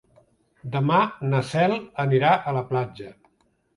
Demà na Cel anirà a la platja.